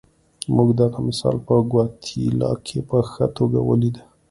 موږ دغه مثال په ګواتیلا کې په ښه توګه ولیده.